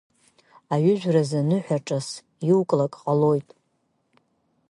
Аҩыжәразы ныҳәаҿас иуклак ҟалоит.